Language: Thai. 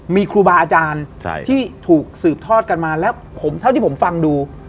มีครูบาอาจารย์ที่ถูกสืบทอดกันมาแล้วผมเท่าที่ผมฟังดู